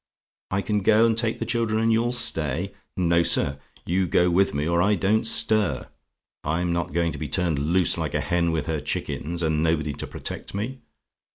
"I CAN GO AND TAKE THE CHILDREN, AND YOU'LL STAY? "No, sir: you go with me, or I don't stir. I'm not going to be turned loose like a hen with her chickens, and nobody to protect me.